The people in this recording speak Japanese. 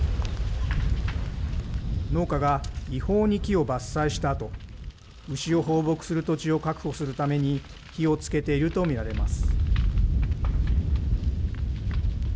農家が違法に木を伐採したあと、牛を放牧する土地を確保するために、火をつけていると見られます。